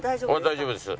大丈夫です。